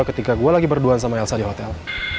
ketika gue lagi berdua sama elsa di hotel